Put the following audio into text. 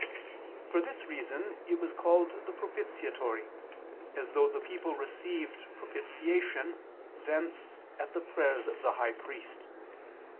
For this reason it was called the "propitiatory," as though the people received propitiation thence at the prayers of the high priest.